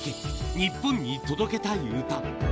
日本に届けたい歌。